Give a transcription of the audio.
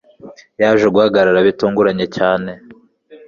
yaje guhagarara bitunguranye cyane